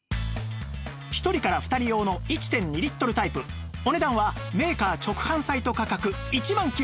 １人から２人用の １．２ リットルタイプお値段はメーカー直販サイト価格１万９８００円のところ